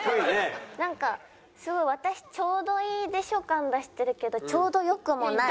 なんかすごい私ちょうどいいでしょ感出してるけどちょうどよくもない。